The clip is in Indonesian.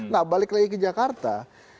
nah balik lagi ke jakarta